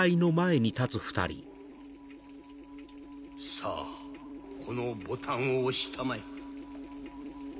さぁこのボタンを押したまえ。